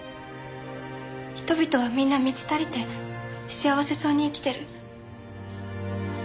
人々はみんな満ち足りて幸せそうに生きてる。